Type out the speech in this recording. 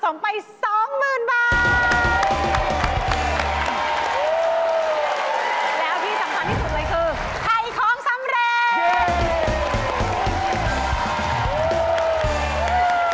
แล้วที่สำคัญที่สุดเลยคือไทยของสำเร็จ